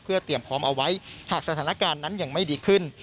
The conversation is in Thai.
เตรียมพร้อมเอาไว้หากสถานการณ์นั้นยังไม่ดีขึ้น